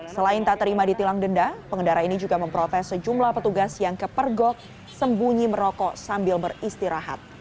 selain tak terima di tilang denda pengendara ini juga memprotes sejumlah petugas yang kepergok sembunyi merokok sambil beristirahat